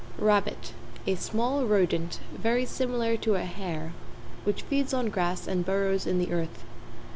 =RABBIT= A small rodent, very similar to a hare, which feeds on grass and burrows in the earth.